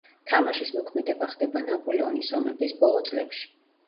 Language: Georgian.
თამაშის მოქმედება ხდება ნაპოლეონის ომების ბოლო წლებში.